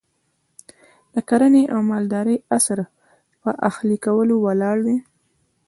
د کرنې او مالدارۍ عصر پر اهلي کولو ولاړ دی.